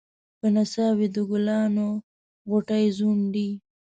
په نڅا وې د ګلانو غوټۍ ځونډي